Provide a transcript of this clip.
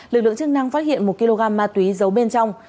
lực lượng chức năng phát hiện một kg ma túy giấu bên trong